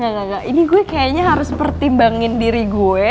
gak gak gak ini gue kayaknya harus pertimbangin diri gue